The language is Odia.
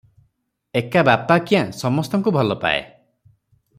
ଏକା ବାପା କ୍ୟାଁ, ସମସ୍ତଙ୍କୁ ଭଲପାଏ ।